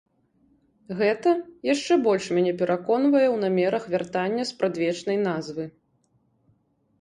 Гэта яшчэ больш мяне пераконвае ў намерах вяртання спрадвечнай назвы.